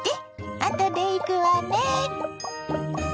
あとで行くわね。